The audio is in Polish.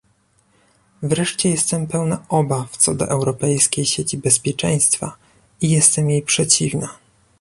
Wreszcie jestem pełna obaw co do europejskiej sieci bezpieczeństwa i jestem jej przeciwna